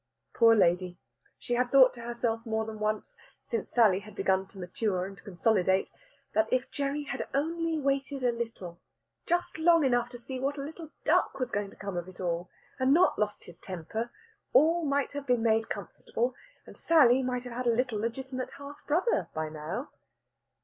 Poor lady! she had thought to herself more than once, since Sally had begun to mature and consolidate, that if Gerry had only waited a little just long enough to see what a little duck was going to come of it all and not lost his temper, all might have been made comfortable, and Sally might have had a little legitimate half brother by now.